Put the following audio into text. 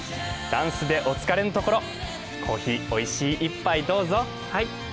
ダンスでお疲れのところコーヒー、おいしい一杯どうぞ。